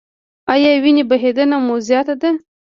ایا وینې بهیدنه مو زیاته ده؟